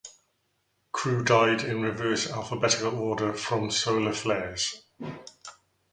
Crew died in reverse alphabetical order from solar flares.